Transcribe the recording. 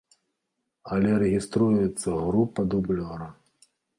Але рэгіструецца група дублёра.